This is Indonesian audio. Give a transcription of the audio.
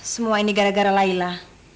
semua ini gara gara laila